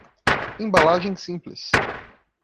Embalagem simples